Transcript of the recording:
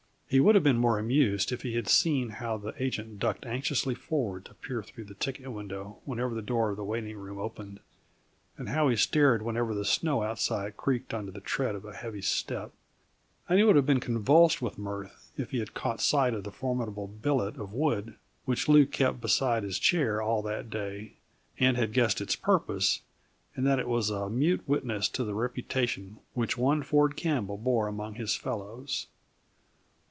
He would have been more amused if he had seen how the agent ducked anxiously forward to peer through the ticket window whenever the door of the waiting room opened, and how he started whenever the snow outside creaked under the tread of a heavy step; and he would have been convulsed with mirth if he had caught sight of the formidable billet of wood which Lew kept beside his chair all that day, and had guessed its purpose, and that it was a mute witness to the reputation which one Ford Campbell bore among his fellows.